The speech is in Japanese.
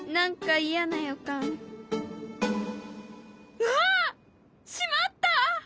うわっしまった！